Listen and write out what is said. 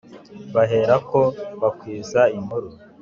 bahera ko bakwiza inkuru,